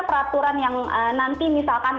peraturan yang nanti misalkan